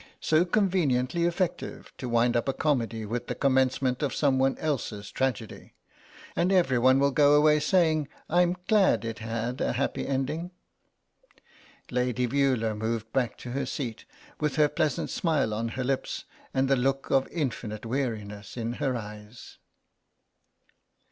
So conveniently effective, to wind up a comedy with the commencement of someone else's tragedy. And every one will go away saying 'I'm glad it had a happy ending.'" Lady Veula moved back to her seat, with her pleasant smile on her lips and the look of infinite weariness in her eyes.